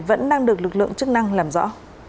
vẫn đang được lực lượng chức năng làm rõ